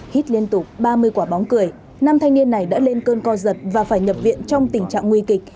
hít liên tục ba mươi quả bóng cười năm thanh niên này đã lên cơn co giật và phải nhập viện trong tình trạng nguy kịch